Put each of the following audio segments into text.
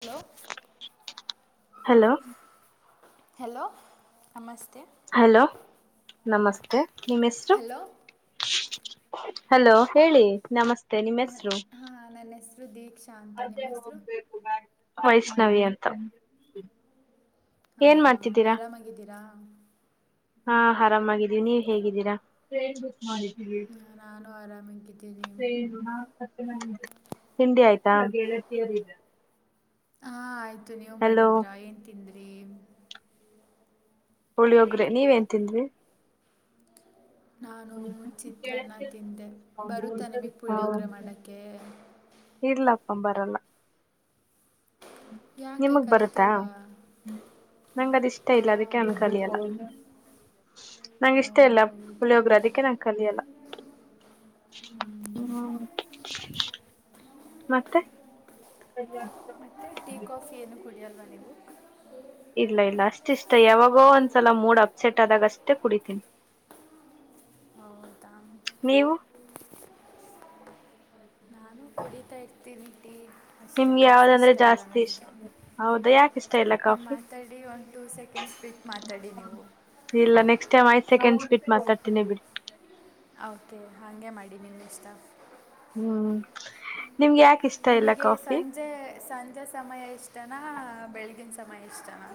Hello hello hello ನಮಸ್ತೆ. Hello ನಮಸ್ತೆ ನಿಮ್ಮ ಹೆಸರು. ಹಲೋ ಹಲೋ ಹೇಳಿ ನಮಸ್ತೆ. ನಿಮ್ಮ್ ನನ್ ಹೆಸರು ಹಾ ನನ್ನ ಹೆಸರು ದೀಕ್ಷಾ. ಅಂತ ನಿಮ್ಮ ಹೆಸರು ವೈಷ್ಣವಿ ಅಂತ. ಹ ಏನ್ ಮಾಡ್ತಿದ್ದೀರಾ ಆರಾಮಾಗಿದ್ದೀರಾ ಹಾ, ಹಾ ಆರಾಮಾಗಿದ್ದೀವಿ ನೀವ್ ಹೇಗಿದ್ದೀರಾ. ಮಾಡ ನಾನು ಆರಾಮಾಗಿದ್ದೀನಿ ಸ ಹತ್ತು ಮ. ತಿಂಡಿ ಆಯ್ತಾ ಹಾ ಆಯ್ತು ನೀವ್ ಹಲೋ ಮಾಡಿದ್ರ ಏನ್ ತಿಂದ್ರಿ. ಪುಳಿಯೊಗ್ರೆ ನೀವೇನ್ ತಿಂದ್ವಿ. ನಾನು ಚಿತ್ರಾನ್ನ ತಿಂದೆ ಬರುತ್ತಾ ನಿಮಗೆ ಪುಳಿಯೊೋಗರೆ ಮಾಡೋಕ್ಕೆ. ಇರ್ಲ್ಲಪ್ಪ ಬರಲ್ಲ. ಯಾಕೆ ನಿಮಗ್ ಬರುತ್ತಾ ಕಲ್ತಿಲ್ವಾ. ನಂಗ ಅದ ಇಷ್ಟ ಇಲ್ಲ ಹಾಂ ಅದಕ್ಕೆ ನಾನು ಬರುತ್ತೆ ಕಲಿಯಲ್ಲ. ನಿಮ್ಗೆ. ಆ, ನಂಗ ಇಷ್ಟ ಇಲ್ಲ ಹೌದಾ ಹುಳಿಯೋಗರು ಅದಕ್ಕೆ ನಂಗೆ ಕಲಿಯಲ್ಲ. ಹ್ಮ್ ಮತ್ತೆ. ಮತ್ತೆ ಟೀ ಕಾಫಿ ಏನ್ನು ಕುಡಿಯಲ್ ಇಲ್ಲ ಇಲ್ಲ ಅಷ್ಟ ಇಷ್ಟ ಯಾವಾಗೋ ಒಂದ್ಸಲ ಮೂಡ್ ಅಪ್ಸೆಟ್ ಆದಾಗ ಅಷ್ಟೆ ಕುಡಿತೀನಿ. [inaudible] ಹೌದಾ ನೀವು ನಾನು ಕುಡಿತಾ ಇರ್ತೀನಿ. ಟೀ ಅಷ್ಟೇ ನಿಮ್ಗೆ ಕಾಫಿ ಯಾವ್ದಂದ್ರೆ ಇಷ್ಟ ಇಲ್ಲ ಜಾಸ್ತಿ ಇಷ್ಟ ನನಗೆ ಹೌದಾ ಯಾಕ ಇಷ್ಟ ಇಲ್ಲ ಕಾಫಿ. ಟ್ವವಿಟ್ ಮಾತಾಡಿ ನೀವು. ಇಲ್ಲ ನೆಕ್ಸ್ಟ್ ಟೈಮ್ ಐದು ಸೆಕೆಂಡ್ ಸ್ ಬಿಟ್ ಮಾತಾಡ್ತೀನಿ ಬಿಟ್ಟ. ಓಕೆ ಹಾಗೇ ಮಾಡಿ ನೀವು ಇಷ್ಟ. ಹ್ಮ್. ನಿಮ್ಗೆ ಯಾಕ ಇಷ್ಟ ಇಲ್ಲ ನಿಮಗೆ ಕಾಫಿ ಸಂಜೆ ಸಂಜೆ ಸಮಯ ಇಷ್ಟನಾ. ಬೆಳಗಿನ ಸಮಯ ಇಷ್ಟನಾ.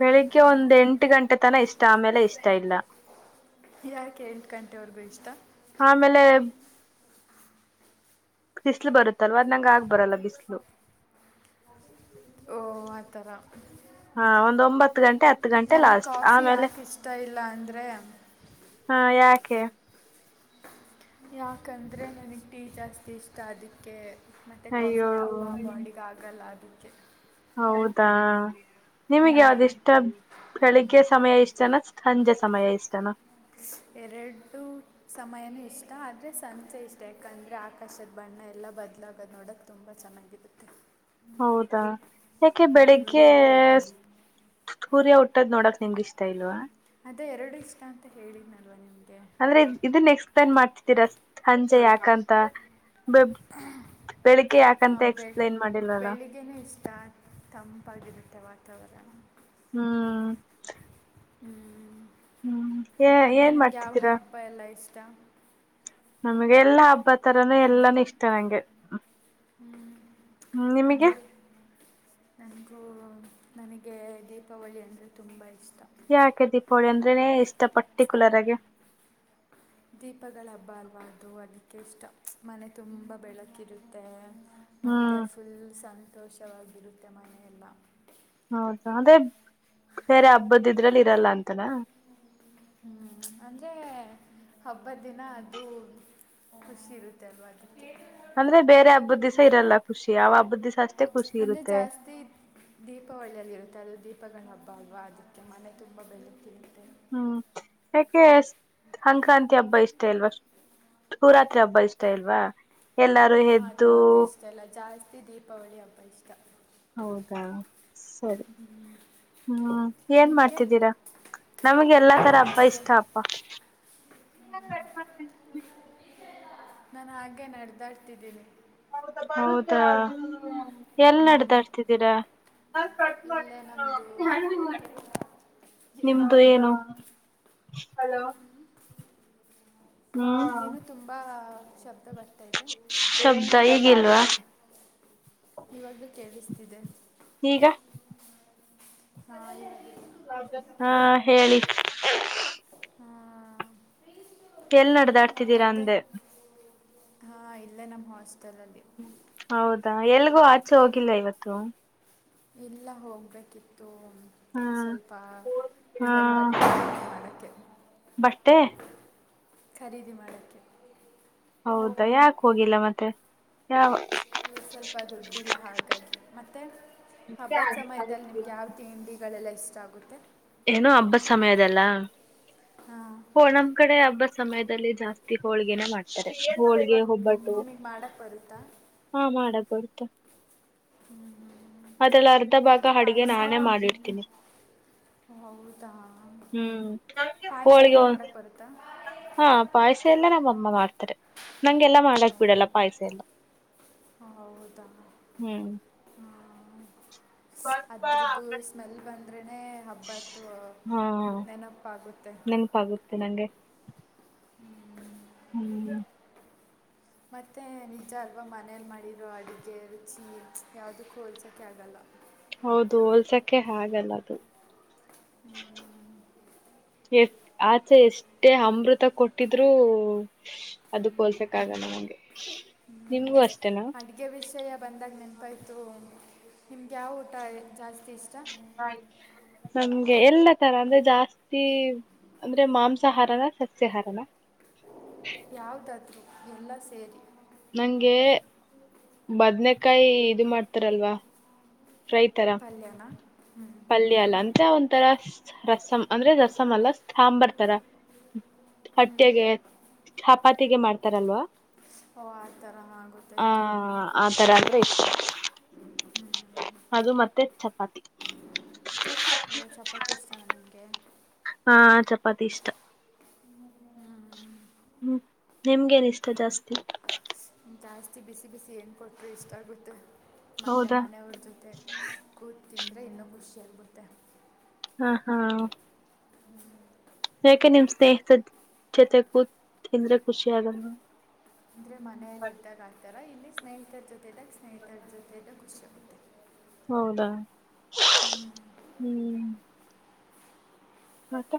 ಬೆಳಿಗ್ಗೆ ಒಂದ್ ಎಂಟು ಗಂಟೆತನ ಇಷ್ಟ ಆಮೇಲೆ ಇಷ್ಟ ಇಲ್ಲ ಯಾಕೆ ಎಂಟು ಗಂಟೆವರ್ಗೂ ಇಷ್ಟ. ಆಮೇಲೆ ಬಿಸ್ಲು ಬರುತ್ತಲ್ವ ನಂಗ ಆಗ್ ಬರಲ್ಲ ಬಿಸ್ಲು. ಓ ಆಥರ. ಹಾ ಒಂದ್ ಒಂಬತ್ತು ಗಂಟೆ ಹತ್ತು ಗಂಟೆ ಲಾಸ್ಟ್ ಕಾಫಿ ಆಮೇಲೆ. ಯಾಕೆ ಇಷ್ಟ ಇಲ್ಲ ಅಂದರೆ ಹಾ ಯಾಕೆ. ಯಾಕಂದರೆ ನನಗೆ ಟೀಚರ್ಸ್ ಇಷ್ಟ ಅದಕ್ಕೆ. ಮತ್ತೆ ಕಾಫಿ ಅಯ್ಯೋ ತುಂಬ ಬಾಡಿಗೆ ಆಗಲ್ಲ ಅದಕ್ಕೆ. ಹೌದಾ ನಿಮಗೆ ಹ್ಞೂ ಯಾವುದೇ ಇಷ್ಟ ಬೆಳಿಗ್ಗೆ ಸಮಯ ಇಷ್ಟ ಚೆನ ಸಂಜೆ ಸಮಯ ಇಷ್ಟನ. ಎರಡು ಸಮಯನೂ ಇಷ್ಟ ಆದ್ರೆ ಸಂಚೆ ಇಷ್ಟ ಯಾಕಂದ್ರೆ ಆಕಾಶದ ಬಣ ಹಣ ಎಲ್ಲ ಬದಲಾಗೋದು ನೋಡೋಕ್ಕೆ ತುಂಬ ಚೆನ್ನಾಗಿರುತ್ತೆ. ಹೌದಾ ಯಾಕೆ ಹ್ಞೂ ಬೆಳಿಗ್ಗೆ. ಸೂರ್ಯ ಹುಟ್ಟದ್ ನೋಡಕ್ ನಿಮ್ಗೆ ಇಷ್ಟ ಇಲ್ವಾ. ಅದೇ ಎರಡು ಇಷ್ಟ ಅಂತ ಹೇಳಿದ್ನಲ್ವ ನಿಮ್ದ. ಅಂದ್ರೆ ಇದನ್ ಎಕ್ಸ್ಪ್ಲೇನ್ ಮಾಡ್ತಿದ್ದೀರ ಸಂಜೆ ಯಾಕಂತ. ಬೆ ಬೆಳಿಗ್ಗೆ ಯಾಕಂತ ಹಾಂ ಎಕ್ಸ್ಪ್ಲೇನ್ ಮಾಡಿಲ್ವಲ್ಲ ತಂ ಪಗದಟ್ಟ ವಾತಾವರಣರಣ ಹ್ಮ್ ಹ್ಮ್. ಹ್ಮ್ ಏನ್ ಮಾಡ್ತಿದ್ದೀರಾ. ಹಬ್ಬ [inaudible] ನಮ್ಗೆ ಎಲ್ಲಾ ಹಬ್ಬ ತರನು ಎಲ್ಲಾನು ಇಷ್ಟ ನಂಗೆ. ಹ್ಮ್ ಹ್ಮ್ ನಿಮಗೆ ಮತ್ತೆ ನನ. ನನಗೆ ದೀಪಾವಳಿ ಅಂದರೆ ತುಂಬ ಇಷ್ಟ. ಯಾಕೆ ದೀಪಾವಳಿ ಅಂದ್ರೇನೆ ಇಷ್ಟ ಪರ್ಟಿಕ್ಯುಲರ್ ಆಗಿ. ದೀಪಗಳ ಹಬ್ಬ ಅಲ್ವಾ ಅದು ಅದಕ್ಕೆ ಇಷ್ಟ ಮನೆ ತುಂಬ ಬೆಳಕಿರುತ್ತೆ ಮತ್ತು ಹ್ಮ್ ಫುಲ್ ಸಂತೋಷವಾಗಿರುತ್ತೆ ಮನೆಯೆಲ್ಲ. ಹೌದಾ ಅಂದೆ ಬೇರೆ ಹಬ್ಬದ ಇದ್ರಲ್ಲಿ ಇರಲ್ಲ ಅಂತನಾ ಹಬ್ಬ ದಿನ ಅದು ಖುಷಿ ಇರುತ್ತೆ ಅಲ್ವದಕ್ಕೆ ಅಂದ್ರೆ ಬೇರೆ ಹಬ್ಬದ ದಿವಿಸ ಇರಲ್ಲ ಖುಷಿ ಅವ ಹಬ್ಬದ ದಸ ಅಂದ್ರೆ ಜಾಸ್ತಿ ದೀಪ ಒಳ್ಳಿಯಲ್ಲಿ ಇರುತ್ತೆ ಅದು ದೀಪಗಳ ಹಬ್ಬ ಭಾಗುವ ಅದಕ್ಕೆ ಮನೆ ತುಂಬ ಬೆಳುತ್ತಿರುತ್ತೆ ಹ್ಮ್ ಯಾಕೆ ಅಂಕ್ರಾಂತಿ ಹಬ್ಬ ಇಷ್ಟೇ ಅಲ್ವಾ ಹೂರಾತ್ರಿ ಹಬ್ಬ ಇಷ್ಟ ಇಲ್ವಾ ಎಲ್ಲಾರು ಹಾ ಹಾ ಅದ ಎದ್ದು ಯಾವ್ದು ಇಷ್ಟ ಅಲ್ಲ ಜಾಸ್ತಿ ದೀಪಾವಳಿ ಹಬ್ಬ ಇಷ್ಟ ಹೌದಾ ಸರಿ ಹ್ಮ್ ಏನ್ ನಿಮಗೆ ಮಾಡ್ತಿದ್ದೀರಾ ನಮ್ಗೆ ಎಲ್ಲಾ ತರ ಹಬ್ಬಾ ಹಾಗೆ ಇಷ್ಟ ಅಪ್ಪ ನಾನು ಹಾಗೆ ನಡೆದಾಡ್ತಿದ್ದೀನಿ ಹೌದಾ ಎಲ್ ನಡ್ದಾಡ್ತಿದ್ದೀರಾ ನಾ ಕಟ್ ಮಾಡ ಇಲ್ಲೇ ನಮ್ಮದು ನಿಮ್ದು ಏನುಲೋ ನೀನು ತುಂಬಾ ಶಬ್ದ ಬ ಶಬ್ದ ಈ ಗಲ್ವಾ ಇವಾಗ್ಲೂ ಕೇಳಿಸ್ತಿದೆ ಈಗ ಹಾ ಹಾ ಹೇಳಿ ಹಾಂ ಎಲ್ ನಡ್ದಾಡ್ತಿದ್ದೀರಾ ಅಂದೆ ಹಾ ಇಲ್ಲ ನಮ್ಮ್ ಹಾಸ್ಟೆಲ್ ಅಲ್ಲಿ ಹೌದಾ ಎಲ್ಗೂ ಆಚೆ ಹೋಗಿಲ್ಲ ಇವತ್ತು ಇಲ್ಲ ಹೋಗ್ಬೇಕಿತ್ತು ಅದು ಹ್ಮ್ ಸ್ವಲ್ಪ ಹಾ ಕರಿ ಬಟ್ಟೆ ಮಾಡಕ್ಕೆ ಬೆ ಖರೀದಿ ಮಾಡೋಕ್ಕೆ ಹೌದಾ ಯಾಕ ಹೋಗಿಲ್ಲ ಮತ್ತೆ ಯಾವ ಇ ಸ್ವಲ್ಪ ದುಡ್ಡಿಲ್ಲ ಹಾಗಾಗಿ ಮತ್ತೆ ಹಬ್ಬದ ಸಮಯದಲ್ಲಿ ನಿಮ್ಗೆ ಯಾವ ತಿಂಡಿಗಳೆಲ್ಲ ಇಷ್ಟ ಆಗುತ್ತೆ ಏನೋ ಹಬ್ಬ ಸಮಯದಲ್ಲ ಹಾಂ ನಮ್ಮ್ ಕಡೆ ಹಬ್ಬಸ್ ಸಮಯದಲ್ಲಿ ಜಾಸ್ತಿ ಹೋಳ್ಗೆನ ಮಾಡ್ತಾರೆ ಹೋಳ್ಗೆ ಒಬ್ಬಟ್ಟು ನಿಮಗೆ ಮಾಡೋಕ್ಕೆ ಬರುತ್ತಾ ಹಾ ಮಾಡಕ್ ಬರುತ ಅದರ ಅರ್ಧ ಭಾಗ ಮತ್ತು ಅಡಿಗೆ ಪಾಯಸ ನಾನೇ ಮಾಡಿಡ್ತೀನಿ ಹೌದಾ ಹ್ಮ್ ಪಾಯಸ ಹೋಳಿಗೆ ಎಲ್ಲ ಮಾಡೋಕ್ಕೆ ಬರುತ್ತಾ ಹಾ ಪಾಯಸ ಎಲ್ಲ ನಮ್ಮಮ್ಮ ವಾರ್ತೆರೆ ನಂಗೆಲ್ಲ ಮಾಡಲಾಕ್ ಓ ಬಿಡಲ್ಲ ಪಾಯ್ಸ ಎಲ್ಲ ಹೌದಾ ಹ್ಮ್ ಅದ್ರದ್ದ ಸ್ಮೆಲ್ ಬಂದ್ರೇನನೆ ಹಬ್ಬತ್ತುು ಹಾ ನೆನಪಾಗುತ್ತೆ ನಂಗೆ ಹ್ಮ್ ಹ್ಮ ಮತ್ತೆ ನಿಜ ಅಲ್ವಾ ಮನೇಲಿ ಮಾಡಿರೋ ಅಡುಗೆ ರುಚಿ ಯಾವುದಕ್ಕೂ ಹೋಲ್ಸೋಕೆ ಆಗಲ್ಲ ಹೌದು ಹೋಲ್ಸಕ್ಕೆ ಹಾಗಲ್ಲ ಅದು ಹ್ಮ್ ಎ ಆಚೆ ಎಷ್ಟೇ ಅಮೃತ ಕೊಟ್ಟಿದ್ರರು ಅದು ಹೊಲ್ಸಕ್ ಆಗಲ್ಲ ನಂಗೆ ಹ್ಮ್ ಅಡ್ಗೆ ವಿಷಯ ಬಂದಾಗ ನೆನ್ಪಾಯ್ತು ನಿಮ್ಗೆ ಯಾವ ಊಟ ಜಾಸ್ತಿ ಇಷ್ಟ. ಹೇ ಎಲ್ಲಾ ತರ ಅಂದ್ರೆ ಜಾಸ್ತಿ ಅಂದ್ರೆ ಮಾಂಸಹಾರನ ಸಸ್ಯಹಾರನ, ಯಾವ್ದಾದ್ರು ಎಲ್ಲ ಸೇರಿ, ಹೆಂಗೆ ಬದ್ನೆಕಾಯಿ ಇದು ಮಾಡ್ತಾರಲ್ವಾ. ಫ್ರೈತರ ಪಲ್ಯನಾ ಹ್ಞೂ ಪಲ್ಯ ಲಂಚ ಒ ರಸ ರಸಂ ಅಂದ್ರೆ ರಸಮಂ ಅಲ್ಲ ಸ್ಥಾಂಬರ್ ತರ. ಹೊಟ್ಟೆಗೆ ಚಪಾತಿಗೂ ಮಾಡ್ತಾರಲ್ವಾ. ಓ ಆತರನ ಆ ಗೊತ್ತಾಯ್ತು. ಆತರ ಅಂದ್ರೆ ಇಷ್ಟ ಅದು ಮತ್ತೆ ಚಪಾತಿ. ಓ ಚಪಾತಿ ಇಷ್ಟಾನ ನಿನಗೆ, ಹಾ ಚಪಾತಿ ಇಷ್ಟ. ಹ್ಮ್ ನಿಮಗೆ ನಿಷ್ಠ ಜಾಸ್ತಿ. ಜಾಸ್ತಿ ಬಿಸಿ ಬಿಸಿ ಏನು ಕೊಟ್ಟರು ಇಷ್ಟ ಆಗುತ್ತೆ. ಮತ್ತೆ ಹೌದಾ ಮನೆಯವ್ರ ಜೊತೆ ಕೂತ್ ತಿಂದರೆ ಇನ್ನೂ ಖುಷಿಯಾಗಬುತ್ತೆ. ಹ ಹ ಹ್ಮ್ [inaudible] ಯಾಕೆ ನಿಮ್ ಸ್ನೇಹಿತ ಜೊತೆ ಕೂತ್ಂದ್ರೆ ಖುಷಿ ಆಗಲ್ವಾ. ಅಂದ್ರೆ ಮನೆಯಲ್ಲಿ ಇದ್ದಾಗ ಆತರ ಇಲ್ಲಿ, ಸ್ನೇಹಿತರು ಜೊತೆಗ ಸ್ನೇಹಿತರ ಜೊತೆಗ ಖುಷಿಯಾಗುತ್ತೆ. ಹೌಧ ಹ್ಞೂ ಹ್ಮ್, ಮತ್ತೆ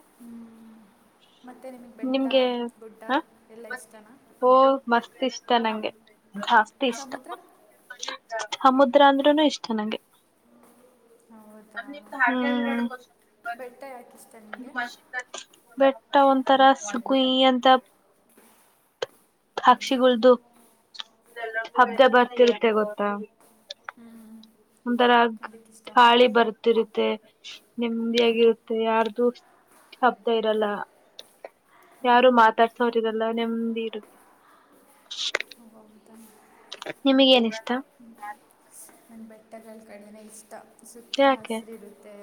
ಮತ್ತೆ ನಿಮಗೆ ಬೆಟ್ಟ ನಿಮ್ಗೆ ಗುಡ್ಡ ಹ ಎಲ್ಲ ಇಷ್ಟನಾ. ಓ ಮಸ್ತ್ ಇಷ್ಟ ನಂಗೆ ಜಾಸ್ತಿ ಇಷ್ಟ ಸಮುದ್ರ ಸಮುದ್ರ ಅಂದ್ರೂ ಇಷ್ಟ ನಂಗೆ. ಹೌದಾ ಬೆಟ್ಟ ಯಾಕೆ ಇಷ್ಟ ನಿಮಗೆ ಬೆಟ್ಟ ತರಾಸು ಕುಯ್ ಅಂತ ಸಾಕ್ಷಿ ಗುಳ್ದು ಹಬ್ದ ಬರ್ತೈತಿ ಗೊತ್ತಾ. ಹ್ಞೂ ಒಂಥರ ಅದಕ್ಕೆ ಇಷ್ಟನಾ ಗಾಳಿ ಬರ್ತಿರುತ್ತೆ ನೆಮ್ಮದಿಯಾಗಿರುತ್ತೆ ಯಾರ್ದು ಶಬ್ದ ಇರಲ್ಲ ಓ ಯಾರು ಮಾತಾಡ್ಸೋರಿರಲ್ಲ. ಎಲ್ಲ ನೆಮ್ಮದಿ ಇರುತ್ತೆ. ಹೌದಾ ನಿಮಗೇ ಏನಿಷ್ಟ ನನ್ನ ಬೆಟ್ಟಗಳ ಕಣಿವೆ ಇಷ್ಟ. ಸುತ್ತ ಯಾಕೆ ಹಸಿರಿರುತ್ತೆ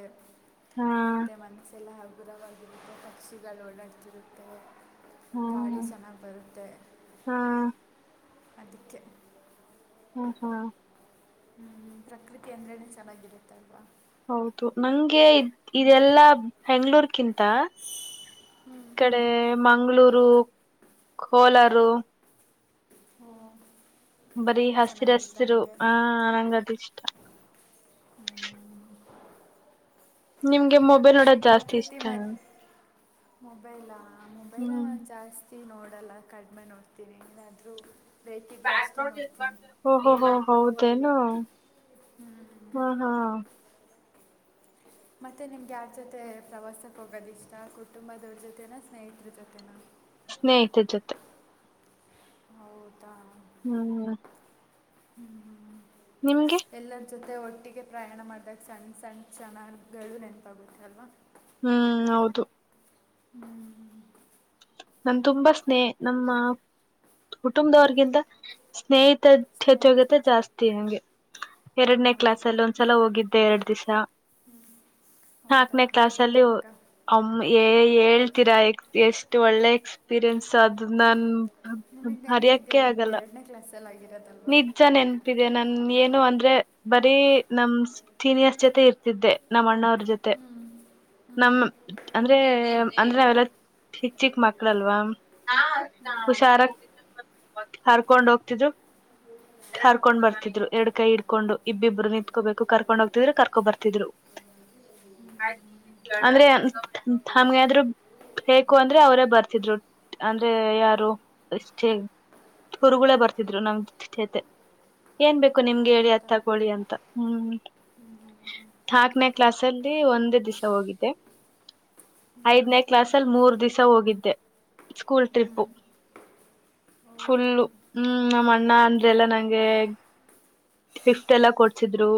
ಹಾ ಮತ್ತು ಮನಸೆಲ್ಲ ಉಗವಾಗಿರುತ್ತೆ ಪಕ್ಷಿಗಳು ಓಡಾಡ್ತಿರುತ್ತೆ. ಹಾ ಗಾಳಿ ಸೆನ್ನಾಗು ಬರುತ್ತೆ ಹಾ ಅದಕ್ಕೆ, ಹ್ಮ್ ಹ್ಮ ಹ್ಮ್ ಪ್ರಕೃತಿ ಅಂದ್ರೇನೆ ಚೆನ್ನಾಗಿ ಬಿಡುತ್ತೆ ಅಲ್ವಾ. ಹೌದು ನಂಗೆ ಇದೆಲ್ಲಾ ಬೆಂಗಳೂರುಕ್ಕಿಂತ. ಕಡೆ ಮಂಗಳೂರು ಕೋಲಾರು, ಹ್ಮ ಬರೀ ಹಸಿರ ಹಸಿರು ಆ ನಂಗ ಅದ ಇಷ್ಟ ನಿಮ್ಗೆ ಮೊಬೈಲ್ ನೋಡೋದು ಜಾಸ್ತಿ ಇಷ್ಟ ಮೊಬೈಲ್ ಹ್ಮ್ ಟಿ ನೋಡಲ್ಲ ಕಡಿಮೆ ನೋಡ್ತೀನಿ ಏನಾದ್ರೂ. ಪ್ಯಾಡು ಯೂಸ್ ಮಾಡ್ತಿರೋದು ಹೋಹೋ ಹೌದೇನು, ಹ್ಞೂ ಹಾ ಹಾ ಮತ್ತೆ ನಿಮ್ದು ಯಾರ ಜೊತೆ ಪ್ರವಾಸಕ್ಕೆ ಹೋಗೋದ ಇಷ್ಟ ಕುಟುಂಬದವ್ರ ಜೊತೆನಾ ಸ್ನೇಹಿತರ ಜೊತೆೇನಾ. ಸ್ನೇಹಿತರು ಜೊತೆ, ಹೌದಾ ಹ್ಮ್ ಹ್ಮ್ ನಿಮಗೆ ಎಲ್ಲರ ಜೊತೆ ಒಟ್ಟಿಗೆ ಪ್ರಯಾಣ ಮಾಡಿದಾಗ ಸಣ್ಣ ಸಣ್ಣ ಚೆನ್ನಾಗಿಗಳು ನೆನಪಾಗುತ್ತೆ ಅಲ್ವಾ ಹ್ಮ್ ಹೌದು ಹ್ಮ್ ಹ ನನ್ ತುಂಬಾ ಸ್ನೇಹ ನಮ್ಮ ಕುಟುಂಬದವರ್ಗಿಂತ ಸ್ನೇಹಿತ ಹೆಚ್ಚೋಗತೆ ಸ್ನೇಹಿತರು ಜಾಸ್ತಿ ನಂಗೆ ಎರಡನೇ ಕ್ಲಾಸ್ ಹಾಂ, ಅಲ್ಲಿ ಒಂದ್ಸಲ ಹೋಗಿದ್ದೆ ಎರಡ್ ದಿವಸ ಹ್ಞೂ, ಹೌದಾ ನಾಕನೇ ಕ್ಲಾಸ್ ಹೇಗಿತ್ತು ಅವಾಗ ಅಲ್ಲಿಮ್ಮ ಹೇಳ್ತೀರಾ ಎಷ್ಟ ಎಕ್ಸ್ಪೀರಿಯನ್ಸ್ ಅದು ನನ್ ನಿಮಗ್ ನೆನಪಿದೆದೆ ಹರಿಯಕ್ಕೆ ಇನ್ನು ಆಗಲ್ಲ ಎರಡನೇ ಕ್ಲಾಸ್ಲ್ಲಿ ಆತು ನಿಜ ನೆನ್ಪಿದೆ ನನ್ ಏನು ಅಂತ ಅಂದ್ರೆ ಬರೀ ನಮ್ ಸೀನಿಯಸ್ ಜೊತೆ ಇರ್ತಿದ್ದೆ ನಮ್ಮ್ ಅಣ್ಣವ್ರ ಜೊತೆ ನಮ್ಮ ಅಂದ್ರೆ ಅಂದ್ರೆ ನಾವೆಲ್ಲ ಚಿಕ್ ಚಿಕ್ ಮಕ್ಳಲ್ವಾ ಹುಷಾರ ಹರ್ಕೊಂಡ್ ಹೋಗ್ತಿದ್ರು ಹ್ಮ [unintelligible] ಕರ್ಕೊಂಡ್ ಬರ್ತಿದ್ರು ಎರಡ್ ಕೈ ಇಡ್ಕೊಂಡು ಇಬ್ಬಬ್ರು ನಿತ್ಕೋಬೇಕು ಕರ್ಕೊಂಡ್ ಹೋಗ್ತಿದ್ರು ಕರ್ಕೊ ಬರ್ತಿದ್ರು ಹೌ ಅಂದ್ರೆ ನಮ್ಗಾದ್ರು ಹೇಕು ಅಂದ್ರೆ ಅವರೇ ಬರ್ತಿದ್ರು ಅಂದ್ರೆ ಯಾರು ಎಷ್ಟೇಗ್ ಹುರುುಳೇ ಬರ್ತಿದ್ರು ನಮ್ ಜತೆ ಏನ್ ಬೇಕು ನಿಮ್ಗೆ ಹೇಳಿ ಅ ಹೌದಾ ತಗೊಳ್ಳಿ ಅಂತ ಹ್ಮ್ ಾಕ್ನೇ ಕ್ಲಸ್ ಅಲ್ಲಿ ಒಂದೇ ದಿವಸ ಹೋಗಿದ್ದೆ ಐದನೇ ಕ್ಲಾಸಲ್ಲಿ ಮೂರು ದಿವಸ ಹೋಗಿದ್ದೆ ಸ್ಕೂಲ್ ಹ್ಞೂ ಟ್ರಿಪ್ು ಫುಲ್ಲು ಹೌದಾ ಹ್ಮ ನ ಅಣ್ಣ ಅಂದ್ರೆಲ್ಲಾ ನಂಗೆ ಗಿಫ್ಟ್ ಎಲ್ಲ ಕೊಡ್ಸಿದ್ರು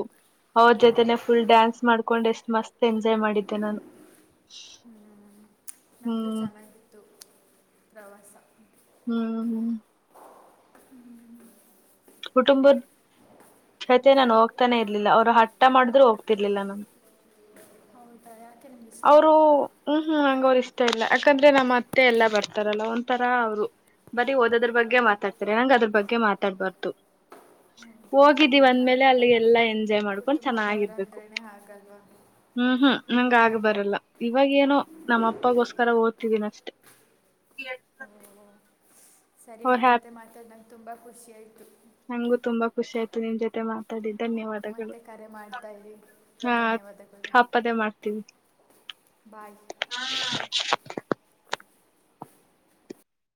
ಅವ್ರ ಜೊತೆನೆ ಫುಲ್ ಡ್ಯಾನ್ಸ್ ಮಾಡ್ಕೊಂಡು ಎಷ್ಟು ಮಸ್ತ್ ಎಂಜಾಯ್ ಮಾಡಿದ್ದೆ ನಾನು ಹ್ಮ್ ನಮ್ದು ಹ್ಮ್ ಚೆನ್ನಾಗಿತ್ತು ಪ್ರವಾಸ ಹ್ಮ್್ಮ ಕುಟುಂಬದ ಅಯತೆ ನಾನು ಹೋಗ್ತಾನೆ ಇರ್ಲಿಲ್ಲ ಅವ್ರು ಹಟ್ಟ ಮಾಡಿದ್ರರು ಹೋಗ್ತಿರ್ಲಿಲ್ಲ ನನ್ು ಹೌದಾ ಯಾಕೆ ನಿಮ್ಗೆ ಇಷ್ಟ ಅವರು ಇರಲಿಲ್ವಾ ಹ್ಮ್ ಹ್ಮ್ ಹಂಗವ್ರ ಇಷ್ಟ ಮೊತ್ತ ಇಲ್ಲ ಯಾಕಂದ್ರೆ ನಮ್ಮ ಅತ್ತೆ ಎಲ್ಲಾ ಬರ್ತಾರಲ್ಲ ಒಂಥರ ಅವ್ರು ಬರೀ ಓದೋದ್ರ ಬಗ್ಗೆ ಹಾಂ ಮಾತಾಡ್ತಾರೆ ನಂಗ ಅದ್ರ ಬಗ್ಗೆ ಮಾತಾಡ್ಬಾರ್ದು ಹೌದಾ ಬಿಡಿ ಹೋಗಿದ್ದೀವಿ ಏನು ಅಂದ್ಮೇಲೆ ಅಲ್ಲಿಗೆ ಮಾಡೋಕ್ಕಾಗಲ್ಲ ಎಲ್ಲಾ ಎಂಜಾಯ್ ಮಾಡ್ಕೊಂಡ್ ಕುಟುಂಬದವ್ರು ಚೆನ್ನಾಗಿರ್ಬೇಕು ಅಂದ್ರೇ ಹಾಗಲ್ವಾ ಹ್ಮ್ ಹ್ಮ್ ನಂಗ ಆಗ್ ಬರಲ್ಲ ಇವಾಗೇಏನೋ ನಮ್ಮ ಅಪ್ಪಗೋಸ್ಕರ ಓದ್ತಿದೀನ ಅಷ್ಟೆ ಹ ಸರಿ ಅವ್ರ ನಿನ್ನ ಹ್ಯಾಪ್ ಜೊತೆ ಮಾತಾಡ ನಂಗೆ ತುಂಬ ಖುಷಿ ಆಾಯ್ತು ನಂಗು ತುಂಬಾ ಖುಷಿಾಯ್ತು ನಿಮ್ ಜೊತೆ ಮಾತಾಡಿದಿ ಧನ್ಯವಾದಗಳು ಮತ್ತೆ ಕರೆ ಮಾಡ್ತಾಯಿರಿ ಹಾ ಧನ್ಯವಾದಗಳು ಹಪ್ಪದೇ ಮಾಡ್ತೀವಿ ಬಾಯ್ [unintelligible]